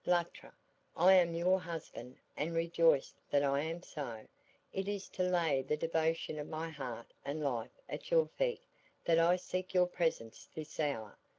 "Luttra, I am your husband and rejoice that I am so; it is to lay the devotion of my heart and life at your feet that I seek your presence this hour.